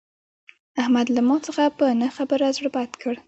احمد له ما څخه په نه خبره زړه بد کړ.